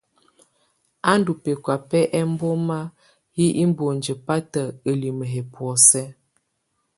U ndù̀ bɛkɔ̀á bɛ ɛmboma yɛ iboŋdiǝ bata ǝlimǝ yɛ bɔ̀ósɛ.